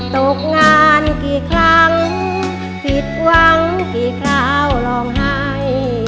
ตกงานกี่ครั้งผิดหวังกี่คราวร้องไห้